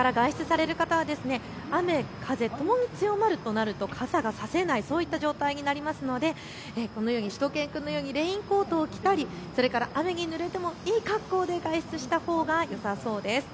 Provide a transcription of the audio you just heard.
これから外出される方は雨風ともに強まるとなると傘が差せない、そういった状態になるのでしゅと犬くんのようにレインコートを着たり雨にぬれてもいい格好で外出したほうがよさそうです。